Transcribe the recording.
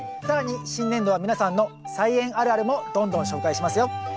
更に新年度は皆さんの菜園あるあるもどんどん紹介しますよ。